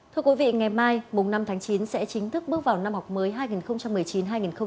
thưa quý vị ngày mai mùng năm tháng chín sẽ chính thức bước vào năm học mới hai nghìn một mươi chín hai nghìn hai mươi